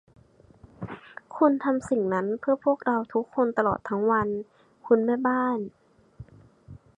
คุณทำสิ่งนั้นเพื่อพวกเราทุกคนตลอดทั้งวัน คุณแม่บ้าน